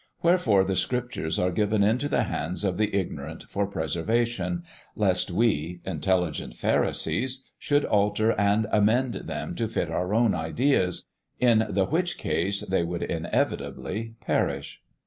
Wherefore the Scriptures are given into the hands of the ignorant for preservation, lest we, intelligent pharisees, should alter and amend them to fit our own ideas in the which case they would inevitably perish.